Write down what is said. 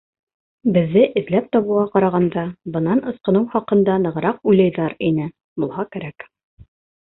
Беҙҙе эҙләп табыуға ҡарағанда бынан ысҡыныу хаҡында нығыраҡ уйлайҙар ине булһа кәрәк.